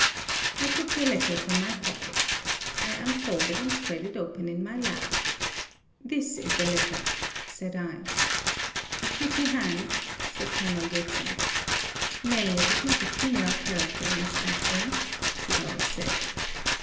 I took your letter from my pocket. I unfolded and spread it open in my lap. 'This is the letter,' said I. 'A pretty hand,' said Colonel Ridson. 'Nay, it is not a female character, Miss Ashburn,' the Earl said.